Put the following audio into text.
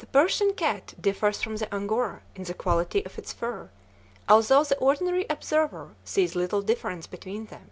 The Persian cat differs from the Angora in the quality of its fur, although the ordinary observer sees little difference between them.